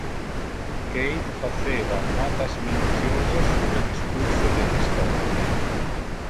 Kate faceva notas minutiose sur le discurso de historia.